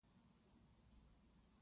هغه د بري په باب پیغام واستاوه.